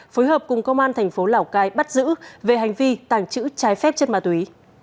phối hợp cùng công an thành phố lào cai bắt giữ về hành vi tàng trữ trái phép chất ma túy